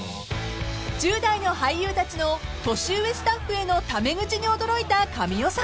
［１０代の俳優たちの年上スタッフへのタメ口に驚いた神尾さん］